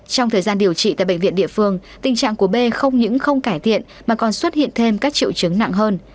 trong thời gian điều trị tại bệnh viện địa phương tình trạng của b không những không cải thiện mà còn xuất hiện thêm các triệu chứng nặng hơn